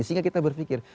sehingga kita berpikir